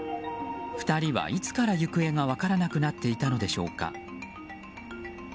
２人はいつから行方が分からなくなっていたのでしょうか。